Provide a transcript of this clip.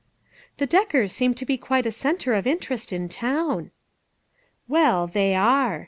u The Deckers seem to be quite a centre of interest in town." " Well, they are.